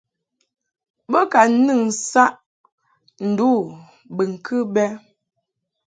Bo ka nɨn saʼ ndu bɨŋkɨ bɛ.